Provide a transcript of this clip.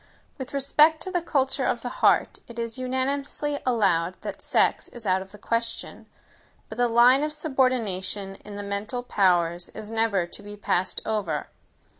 With respect to the culture of the heart, it is unanimously allowed that sex is out of the question; but the line of subordination in the mental powers is never to be passed over.